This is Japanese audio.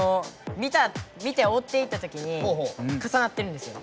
見ておっていったときにかさなってるんですよ。